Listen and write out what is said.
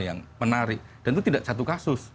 yang menarik dan itu tidak satu kasus